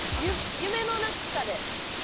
「夢の中で」